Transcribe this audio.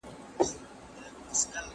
نه صیبه ګوګل پيزا ده!